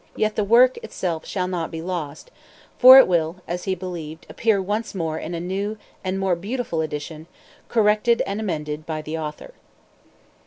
Yet the work itself shall not be lost, For it will (as he believed) appear once more In a new And more beautiful Edition, Corrected and Amended By The Author."